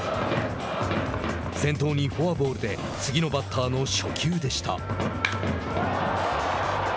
先頭にフォアボールで次のバッターの初球でした。